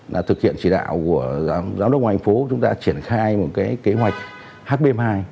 đã thực hiện chỉ đạo của giám đốc ngoại hành phố chúng ta triển khai một kế hoạch hp hai